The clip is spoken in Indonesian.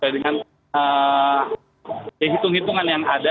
dengan hitung hitungan yang ada